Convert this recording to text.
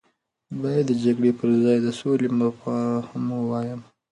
باید د جګړې پر ځای د سولې مفهوم ووایم.